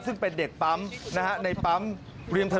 ซึ่งเป็นเด็กปั๊มในปั๊ม